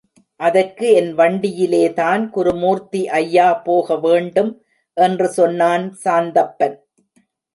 அதற்கு என் வண்டியிலேதான் குருமூர்த்தி ஐயா போகவேண்டும் என்று சொன்னான் சாந்தப்பன்.